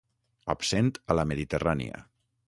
Absent a la Mediterrània.